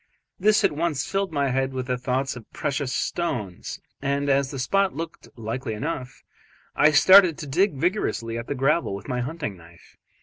This at once filled my head with thoughts of precious stones, and as the spot looked likely enough, I started to dig vigorously at the gravel with my hunting knife.